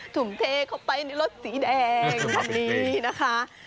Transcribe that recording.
ถุงเทเข้าไปในรถสีแดงคันนี้นะคะ